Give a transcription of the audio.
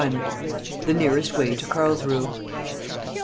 THE NEAREST WAY TO CARLSRUHE.